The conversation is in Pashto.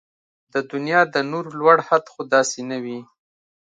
د دنيا د نور لوړ حد خو داسې نه و